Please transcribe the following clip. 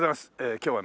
今日はね